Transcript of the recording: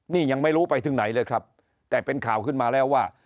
นี่ยังไม่รู้ไปถึงไหนเลยครับแต่เป็นข่าวขึ้นมาแล้วว่า